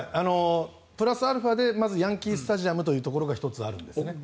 プラスアルファでまずヤンキー・スタジアムというのが１つ、あるんですね。